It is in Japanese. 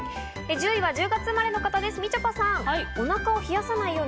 １０位は１０月生まれの方です、みちょぱさん。